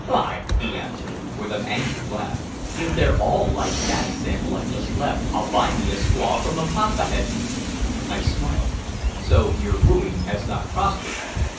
"By !" he answered, with an angry laugh. "If they're all like the sample I've just left, I'll buy me a squaw from the Paspaheghs!" I smiled. "So your wooing has not prospered?"